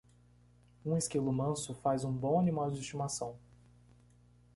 Um esquilo manso faz um bom animal de estimação.